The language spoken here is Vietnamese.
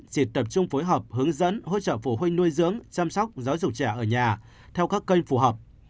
chỉ tập trung phối hợp hướng dẫn hỗ trợ phụ huynh nuôi dưỡng chăm sóc giáo dục trẻ ở nhà theo các kênh phù hợp